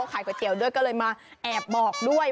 ก๋วยเตี๋ยวด้วยก็เลยมาแอบบอกด้วย